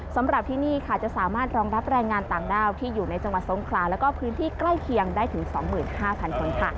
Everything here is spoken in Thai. สำหรับที่นี่ค่ะจะสามารถรองรับแรงงานต่างด้าวที่อยู่ในจังหวัดทรงคลาแล้วก็พื้นที่ใกล้เคียงได้ถึง๒๕๐๐คนค่ะ